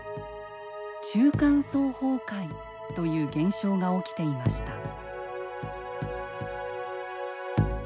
中間層崩壊という現象が起きていました。